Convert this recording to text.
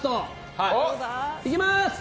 いきます！